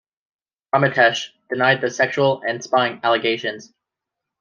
Rometsch denied the sexual and spying allegations.